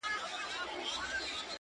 خدایه ته چیري یې او ستا مهرباني چیري ده”